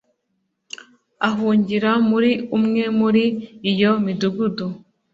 ahungira muri umwe muri iyo midugudu